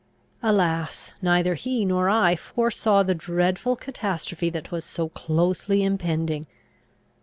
Alas, neither he nor I foresaw the dreadful catastrophe that was so closely impending!